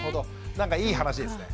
なんかいい話ですね。